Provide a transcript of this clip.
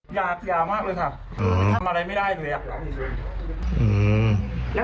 สยากสยามากเลยค่ะเออทำอะไรไม่ได้เลยอ่ะแล้วมีลูกด้วยกันไหมค่ะ